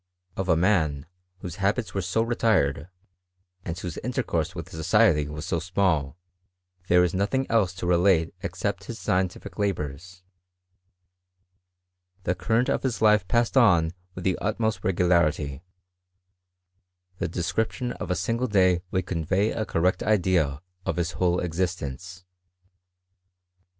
■ Of a man, whose habits were so retired, and wboH intercourse with society was so small, there is nothint: else to relate except his scientific labours : the cuft rent of his life passed on with the iitniost regularitj^ tlie description of a single day would convey a, Coiredl idea of his whole existence.